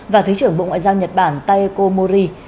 và thứ trưởng bộ ngoại giao nhật bản taeko mori